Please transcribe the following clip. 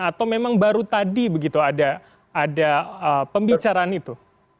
atau memang baru tadi begitu ada pembicaraan itu